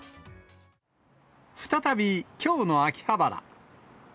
再び、きょうの秋葉原。